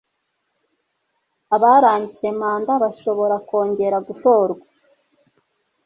abarangije manda bashobora kongera gutorwa